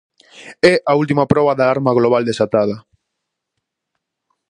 É a última proba da alarma global desatada.